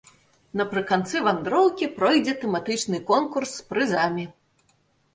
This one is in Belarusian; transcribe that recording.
Напрыканцы вандроўкі пройдзе тэматычны конкурс з прызамі.